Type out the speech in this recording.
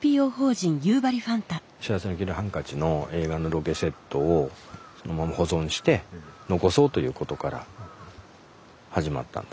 「幸福の黄色いハンカチ」の映画のロケセットをそのまま保存して残そうということから始まったんですね。